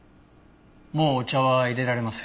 もうお茶は淹れられません。